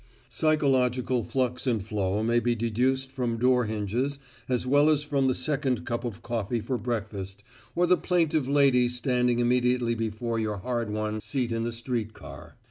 Psychological flux and flow may be deduced from door hinges as well as from the second cup of coffee for breakfast or the plaintive lady standing immediately before your hard won seat in the street car.